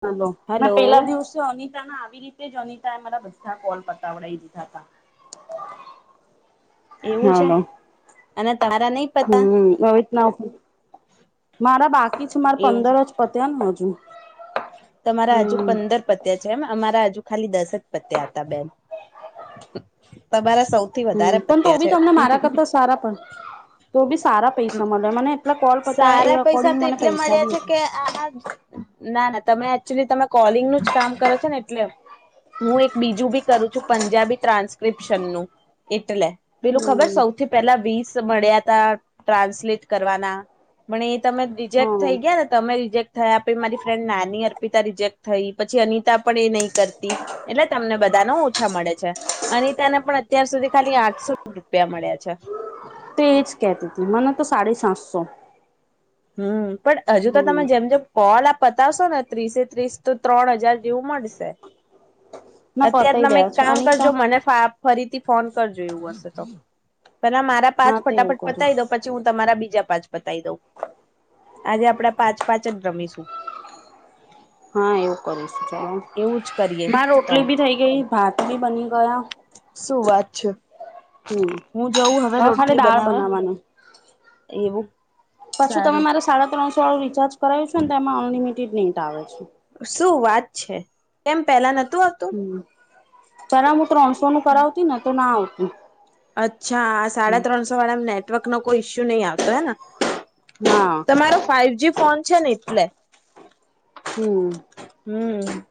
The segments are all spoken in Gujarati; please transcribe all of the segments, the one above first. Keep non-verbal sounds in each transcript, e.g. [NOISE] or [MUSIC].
હાલ મેં હલો પેલા દિવસે અનિતાને આવી રી. તે જનીતા એ મારા બધા કોલ પતાવડી દીધા હતા. એવું છે હલો અને તમારા નહી પતા હમ નહિત ના. મારા બાકી છે મારે એવું પંદર જ પત્યા ને હજુ. તમારા હજુ હમ પંદર પત્યા છે એમ અમારા હજુ. ખાલી દસજ પત્યા હતા બેન તમારા. સૌથી વધારે હમ પણ તો પત્યા બી છે. તમને મારા કરતા સારા પણ તો બી સારા પૈસા મળે મને એટલા કોલ પતા એ સારા પૈસા અકોર્ડિંગ તો મને એટલે પૈસા મળ્યા બી છે કે આ. ના ના તમે એકચ્યુઅલી તમે કોલિંગનુંું જ કામ કરો છો ને એટલે. હું એક બીજું બી કરું છું પંજાબી ટ્રાન્સક્રિપ્શન નું એટલે. પેલું ખબર હમ સૌથી પહેલા વીસ મળ્યા ત ટ્રાન્સલેટ કરવાના મને તમે રિજેક્ટ હા થઈ ગયા ને તમે રિજેક્ટ થયા પી મારી ફ્રેન્ડ નાની અર્પિતા રિજેક્ટ થઈ પછી અનિતા પણ એ નહી કરતી એટલે તમને બધા ન ઓછા મળે છે. અને તેને પણ અત્યાર સુધી ખાલી આઠસો રૂપિયા મળ્યા છે તે એજ કેતી હતી મને તો સાડી સાતસો હમ પણ હજુ તો તમે હમ જેમ જેમ કોલ આપ પતાવશો ને ત્રીસે ત્રીસ તો ત્રણ હજાર જેવું મળે ના અત્યારે પતાય દે તમે એક છે કામ અનિતા કરજો મને ફરીથી ફોન. જોું હશે તો પેલા મારા હા પાંચ તે એવું ફટાફટ કરીશ પતાવી દો પછી હું તમારા બીજા. પાંચ પતાવી દઉં આજે આપડા પાંચ પાંચ જ રમીશું. હા એવું કરીશ ચ એવું જ કરીએ તો રોટલી બી થઈ ગઈ ભાત બી બની ગયા. સુું વાચ. હમ હું જઉં હવે ખાલી રોટલી દાળ બનાવા એવું. પછું તમે સારું મારે સાડા ત્રણસો વાળું રિચાર્જ કરાવ્યું છેો ને તે એમાં અનલિમિટેડ નેટ આવે છે. શું વાત છે કેમ પહેલા. હમ ચરા હું ત્રણસો નું કરાવતી ને તો ના આવતીું. અચ્છા સાડા ત્રણસો વાળા નેટવર્ક નો કોઈ ઈસ્યુ નહી આવતો હે. હા તમારો ફાઈવ જ ફોન છે ને એટલે. હમ. હમ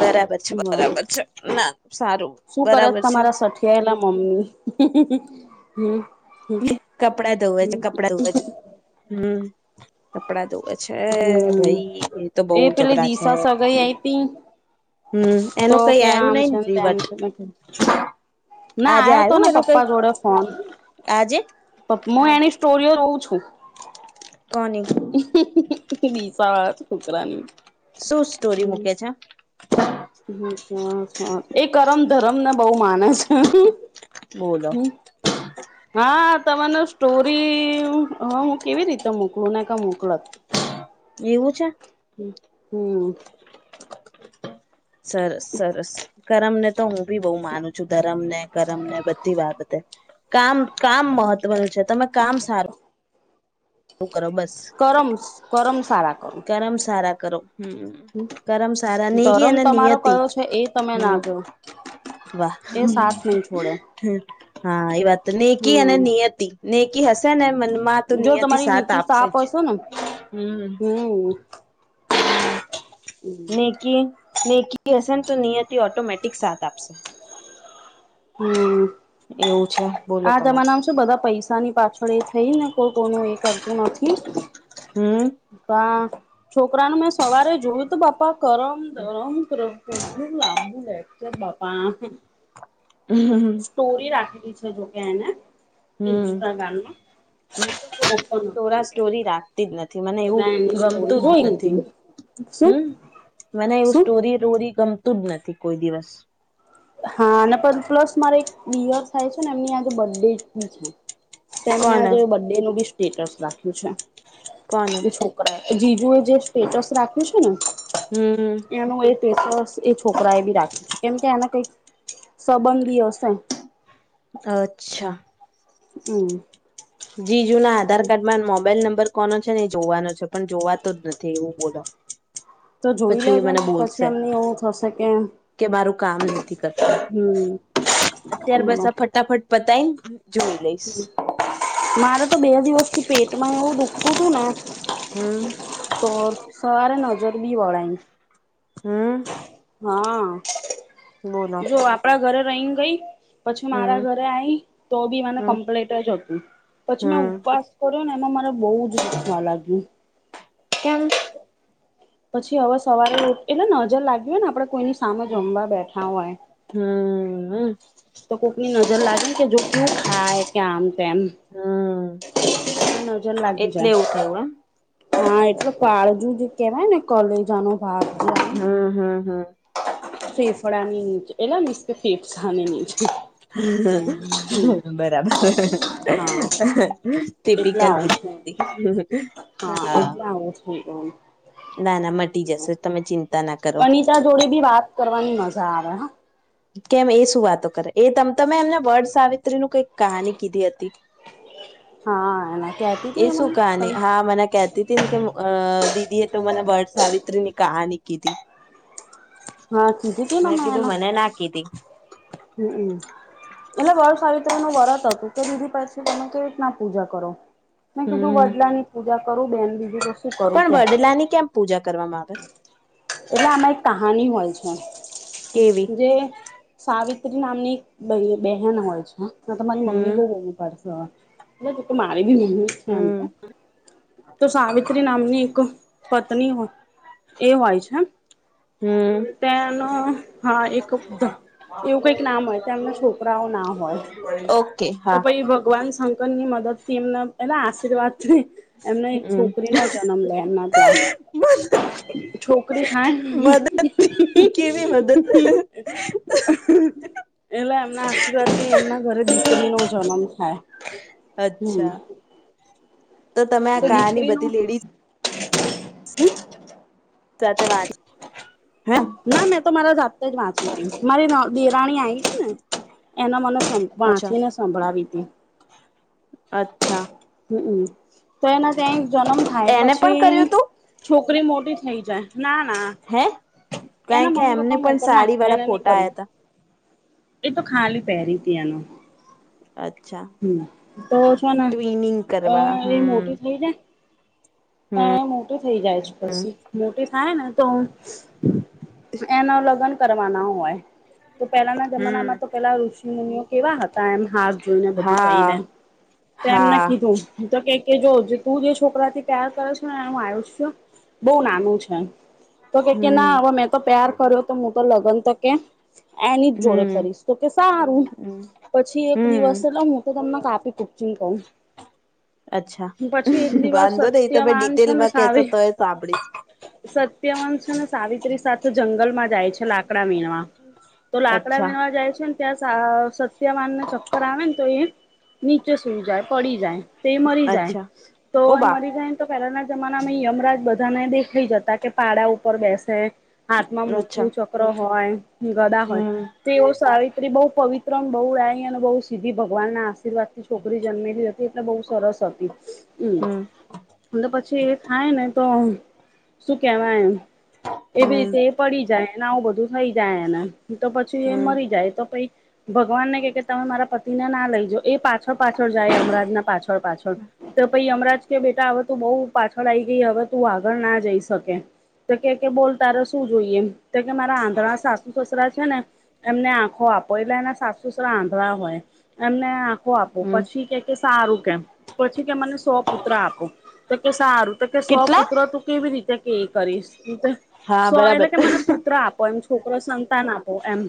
બરાબર છે બ બરાબર છે ના સારું શું કરત બરાબર છે તમારા સઠિયાયેલા મમ્મી હમ કપડા ધોવે છે કપડા ધવે છે હમ કપડા ધવે છે. છે હમ ભાઈ એ તો બહ પેલી જબરા છે. દિશા સગાઈ આઈ તી હમ તો એનું કઈ કે આવ્યું આમ નઈ ને છેમ તેમ રિવટ છે બેું ના આજે આવ્યો તો આવ્યું ને એનું કઈ પપ્પા જોડે ફોન આજે હું એની સ્ટોરીઓ કુ છું કોની વિસા છુકરાની શું સ્ટોરી મૂકે છે. એ કરમ ધરમ ને બહુ માને છે. બોલો હમ હા તમા સ્ટોરી હ હું કેવી રીતે મોકલું ને ક મોકલાત એવું છે હ હમ સરસ સરસ કરમ ને તો હું બી બહુ માનું છું ધરમ ને કરમ ને બધી બાબતે કામ કામ મહત્વનું છે તમે કામ સારું કરો બસ કરમ કરમ સારા કરો કરમ સારા કરો હમ કરમ સારા નિનીગી ધરમ અને તમારો નિયતિ કયો છે એ તમે હમ ના જો વાહ એ સાથ નહી છોડે હા એ વાત નનીકી અને હમ નિયતિ નેકી હસને હ મનમા તો જો નિનીયત થી તમારી સાથ નીતિ આપશે સાપ જ હશે ને હમ હમ નૌકી નૌકી હસન તો નિયતિ ઓટોમેટિક સાથ આપશે હમ એવું છે બોલો આ તમે જમાનામાં શું બધા પૈસા ની પાછળ એ થઈ ને કોઈ કોનું. કરતું નથી હમ પણ છોક ઉપરાંત મેં સવારે જોયું તો બાપા કરમ ધરમ કરટું લાંબુ લે કે બાપા હમ સ્ટોરી રાખેલી છે, જોકે એને ઇન્સ્ટાગ્રામની ઓપન સ્ટોરા સ્ટોરી રાખતી જ નથી મને તને એવું એની સોટરી ગમતું હોય જ નથી લીધી શું. હમ મને એવું શું સ્ટોરી રોરી ગમતું જ નથી કોઈ દિવસ હા અને પણ પ્લસ મારે એક યર થાય છે, ને એમની આજે બર્થડે બી છે. તેમને કોને આજે બડેનું બી સ્ટેટસ રાખ્યું છે, કોને એ છોકરા એ જીજુ એ જે સ્ટેટસ રાખ્યું છે ને હમમ. પેપર એ છોકરા એ બી રાખ્યું છે કેમ કે આને કઈક સંબંધી ઓ છે. અચ્છા હમ જીજૂના આધાર કાર્ડમાં મોબાઈલ નંબર કોનો છે ને એ જોવાનો છે પણ જોવાતો જ નથી એવું બોલો. તો જોઈ પછી એ લેજો મને ને પછી બોલશે એમની એવું થશે કે કે મારું કામ નથી કરતું હમ અત્યારે બસ બોલો આ ફટાફટ તઈએજોઈ લઈશ રે તો બે દિવસથી પેટમાં એવું દુખું હતું ને હમ તો સવારે નજર બી વાળા હમ હા બોલો જો આપડા ઘરે રહી ગઈ પછી મારા હમ ઘરે આવીઈ તો બી મને હમ કમ્પ્લીટ જ હતું પછી મેં હમ ઉપવાસ કર્યો ને એમા મારે બોવ જ દુખવા લાગ્યું કેમ. પછી હવે સવારે એટલે નજર લાગ્યું હોય ને આપડે કોઈની સામે જમવા બેઠા હોય હમ તો કોકની નજર લાગે ને કે જો કેવું ખાય કે આમ તેમ હમ ત નજર લાગી એટલે જાય એવું થયું હા એટલે કાળજું જે કેવાય ને કોલેજાનુ હમ હમ હમ ફેફડાની નીચે એટલે મીન્સ કે ફેફસાની નીચે બરાબર હા તે એટલે પીકલ આવું છે [UNINTELLIGIBLE] હા. એટલે આવું થઈ ગયું નાના મટી જશે તમે ચિંતા ના કરો ખાવાની મજા આવે હ કેમ એ શું વાતો કરે એ તમ તમે એમને વડસાવિત્રી ન કઈક કહાની કીધી હતી. [INAUDIBLE] હા એને કહેતી એ હતી શું મને તમે કહાની હા મને કેતી હતી ને કે અ એ તો મને વડસાવિત્રીની કાહાની કીધી હા કીધી કે મેં મને કીધું એને ના કીધી હમ એટલે વડસાવિત્રીનું વરત હતું કે દીદી પછી તમે કેવી રીતના પૂજા કરો મે કીધું હમ વડલાની પૂજા કરું બેન બીજું તો શું કરું પણ ત્યાં વડલાની કેમ પૂજા કરવામાં આવે એટલે આમાં એક કહાની હોય છે, કેવી જે સાવિત્રી નામની બહે બહેન હોય છે, તમારી મમ્મી હમ બો બી પડશે [UNINTELLIGIBLE] ને તુ તો મારે બી ની છે, આમ તો હમ તો સાવિત્રી નામની એક પત્ની એ હોય છે. હમ. ત્યાંનું હા એક એવું કઈક નામ હોય તેમના છોકરાઓ ના હોય ઓકે તો હા પછી ભગવાન શંકરની મદદથી એમના એના આશીર્વાદથી એમને એક હમ છોકરીનો જન્મ લે એમના ત્યાં છો [INAUDIBLE] એટલે મદદ કેવી મદદ એમના આશીર્વાદ થી એમના ઘરે દીકરી નો જન્મ થાય હમ અચ્છા તો તમે આ કહાની બધી લેડીઝ હમમ હમમ સત વાંચ હે ના મેં તો મારા જાતે જ વાંચી કરી મારી નન દેરાણી આવીતી ને એના મને સં અચ્છા વાચીને સંભળાવી તી અચ્છા. હમમ તો એના ત્યાંય જન્મ થાય એને પણ પછી કર્યું તું છોકરી મોટી થઈ જાય ના ના હે એના કારણ કે મમ્મી એમને પપ્પા પણ મોકલ ના સાડી વાળા એને ની ફોટા કરું આયા એ તો ખાલી પહેરી હતી એનું તા અચ્છા હમ તો શેને ટ્વિનિંગ અ કરવા એ હમ મોટી થઈ જાય ત્યાં એ મોટો થઈ જાય છે, પછી મોટે થાય ને તો એનો લગ્ન કરવાના હોય તો પેલાના હમ જમાનામાં તો પેલા ઋષિ મુનિઓ કેવા હતા એમ હાથ જોઈને બધું કહી હા દે તો એમને હા કીધું હું તો કેક કે જો જે તું જે છોકરાથી પ્યાર કરે છે ને એનું આયુષ્ય બોવ નાનું છે. તો કે કે ના હવે હમ મેં તો પ્યાર કર્યો તો હું તો લગ્ન તો કેમ એની જ જોરે હમ કરીશ તો કે સારું પછી એક હમ દિવસ એટલે હું તો તમને કાપ જેમ કહું અચ્છા પછી એક દિવસ વાંધો નહી સા તમે સત્યવાન ડિટેલમાં કેશો તો એ સાંભળીશ છે ને સાવિત રી સાથે જંગલમાં જાય છે લાકડા વીણવા તો લાકડા અચ્છા વીણવા જાય છે ત્યાં સા સત્યવાનને ચક્કર આવે ને તો એ નીચે સુઈ જાય પડી જાય તે એ મરી જાય અચ્છા તો ઓ બા મરી ને તો પહેલાના જમાનામાં યમરાજ બધાને દેખાઈ જતા કે પાડા ઉપર બેસે હાથમાં અચ્છા મૃત્યુ ચક્ર હોય ગદા હોય હમ તો એવ સારી બહુ પવિત્ર અને બહુ રાય અને બહુ સીધી ભગવાન ના આશીર્વાદ થી છોકરી જન્મેલી છે એટલે બહુ સરસ હતી હમ અને પછી એ થાય ને તો શું કેવાય એમ એવી હમ રીતે એ પડી જાય એને આવું બધું થઈ જાય એને તો પછી એ હમ મરી જાય તો પી ભગવાનને કે કે તમે મારા પતિને ના લઈ જાો એ પાછળ પાછળ જાય યમરાજ ના પાછળ પાછ પાછળ તો પછી યમરાજ કે બેટા તો બહુ પાછળ આઈ ગઈ હવે તું આગળ ના જઈ શકે તો એ કે બોલ તારે શું જોઈએ તો કે મારા આંધણા સાસુ સસરા ને એમને છે ને એમને આંખો આપો એટલે એના સાસુ સસરા આંધળ હોય એમને આખો આંખો આપો હમ પછી કે સારું કેમ પછી કે મને સો પુત્ર આપો તો સારું તો કે કેટલા સોપુત્ર તું કેવી રીતે કે એ કરીશ હા સો એટલે બરાબર કે મને હમ પુત્ર આપો એમ છોકરો સંતાન આપો એમ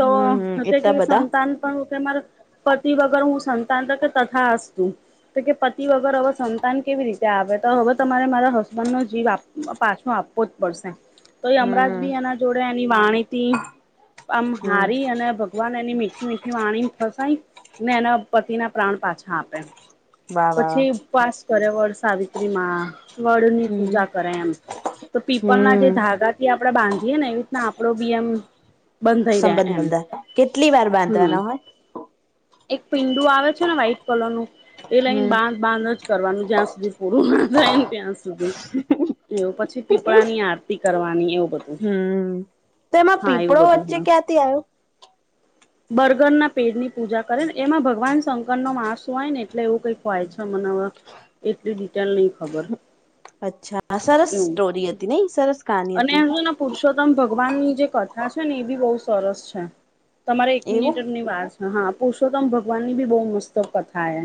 તો હમ એટલા બધા સંતાન પણ કે મારે પતિ વગર હું સંતાન તા કે તથાસ્તુ તો કે પતિ વગર હવે સંતાન કેવી રીતે ત્યાં આવે તો હવે તમારે મારા હસબન્ડ નો જીવ પાછો આપવો જ પડશે તો એ અમરાજ હમ બી એના જોડે એની વાણી આમ હમ હારી અને ભગવાન એની મીઠ વાણીને ફસાય ને એના પતિના પ્રાણ પાછા આપે વાહ વાહ પછી ઉપવાસ કર્યો વડ સાવિત્રી માં વડ ની હમ પૂજા કરે એમ તો પીપળના હમ જે ધાગા થી આપડે બાંધીએે ને એ. ના આપડો બી એમ. બંધાઈ રહે સંબંધ એમ બંધા કેટલી વાર હમ બાંધવાના હોય. એક પીંડું આવે છે ને વ્હાઈટ કલર નું એ લઈને હમ બાંધ બાંધ જ કરવાનું જ્યાં. સુધી પૂરું ના જાય ને ત્યાં સુધી એવ પછી પીપળાની આરતી કરવાની એવું. બધું હમ તો એમાં હા પીપળો એવું બધું વચ્ચે હા ક્યાંથી આવ્યો. બર્ગર ના પેડની પૂજા કરે ને એમાં ભગવાન શંકર નો માસું હોય ને એટલે એવું કઈક હોય છે. મને, એટલી ડિટેલ નહી ખબર. અચ્છા સરસ સ્ટોરી હતી નઈ સરસ કહાની હતી એવ અને પુરુષોત્તમ ભક્ત. ભગવાન ની જે કથા છે ને એ બી બહુ સરસ છે તમારે એક એવું મિનિટની વાત. હા પુરષોત્તમ ભગવાન ની બી બહુ મસ્ત કથા એ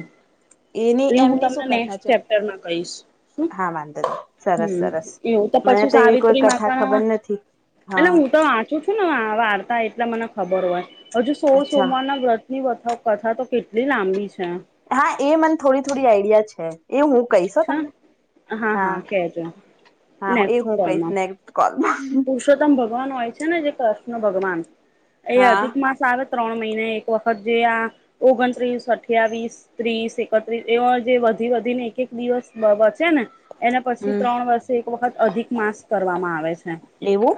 એની એ હું એમની શું તમને કથા નેક્સ્ટ છે ચેપ્ટરમાં કહીશ શું હા વાંધો સરસ હમ સરસ એવું મને તો એવી કોઈ કથા ખબર નથી એેલે હા હું તો વાંચુ છું ને વાર્તા એટલે મને ખબર હોય હજુ સોળ અચ્છા સોમવારના વ્રથ ની કથા તો કેટલી લાંબી છે હા એ મને થોડી થોડી આઈડિયા છે એ હું કહીશ છે? તમને હા હા એ નેક્સ્ટ હું કહીશ કોલમાં. નેક્ કોલ પુરુષોત્તમ ભગવાન હોય છે ને જે કૃષ્ણ ભગવાન એ હા અધિક માસ આવે ત્રણ મહિના એક વખત જે આ ઓગણત્રીસ અઠ્યાવીસ ત્રીસ એકત્રીસ એ જે બી વધી ને એક એક દિવસ બચે ને એને પછી હમ ત્રણ વર્ષે એક વખત અધિક માસ કરવામાં આવે છે લેવું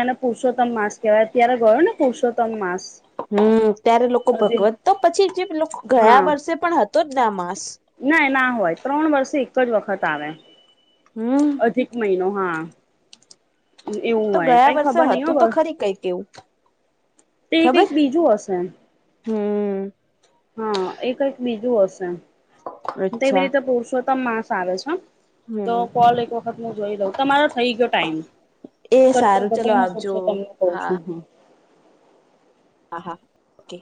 એને પુરુોતમ માસ કહેવાય અત્યારે ગયો ને પુરષોતમ માસ હમ ત્યારે લોકો અધિક ભગવત તો પછી જે લોકો ગયા હા વર્ષે પણ હતો જ ને આ માસ ના ના હોય ત્રણ વર્ષ એક જ વખત આવે. હમ અધિક મહિનો હા. એવું તો હોય ગયા કઈ વર્ષે ખબર નહ હતું તો ખબર. ખરી કઈક એવું તે ખબર કઈ બીજું હશે એમ. હમ. હા એ કઈક બીજું હશે તેવી અચ્છા રીતે પુરુષોત્તમ માસ આવે છે. તો હમ કોલ એક વખત હું જોઈ દઉં તમારો થઈ ગયો ટાઈમ. એ કટકર સારું દ ચલો કઈ હું પૂર આવજો છું તમને કહ છું હા. હા હા ઓકે.